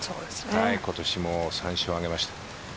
今年も３勝を挙げました。